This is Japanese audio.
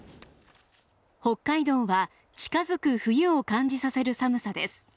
北海道は近づく冬を感じさせる寒さです